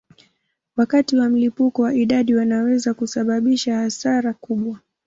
Wakati wa mlipuko wa idadi wanaweza kusababisha hasara kubwa.